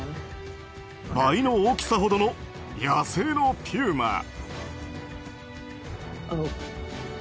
倍の大きさほどの野生のピューマ。